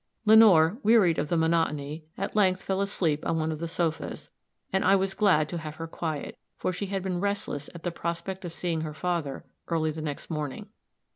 Lenore, wearied of the monotony, at length fell asleep on one of the sofas; and I was glad to have her quiet, for she had been restless at the prospect of seeing her father early the next morning.